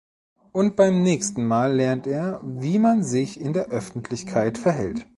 Und beim nächsten Mal lernt er, wie man sich in der Öffentlichkeit verhält.